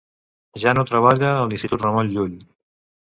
Ja no treballa a l'Institut Ramon Llull.